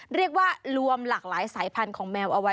เรียกว่ารวมหลากหลายสายพันธุ์ของแมวเอาไว้